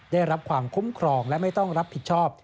ได้รับความคุ้มครองและไม่ต้องรับผิดชอบ